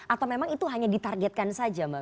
atau memang itu hanya ditargetkan saja mbak